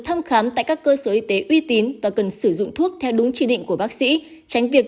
thăm khám tại các cơ sở y tế uy tín và cần sử dụng thuốc theo đúng chỉ định của bác sĩ tránh việc